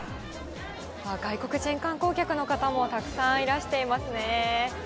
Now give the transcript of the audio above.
外国人観光客の方もたくさんいらしていますね。